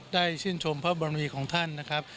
ชื่นชมพระบรมีของท่านนะครับ